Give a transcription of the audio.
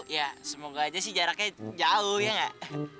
ya semoga aja sih jaraknya jauh ya gak